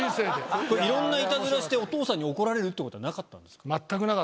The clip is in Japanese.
いろんなイタズラしてお父さんに怒られるってことはなかったんですか？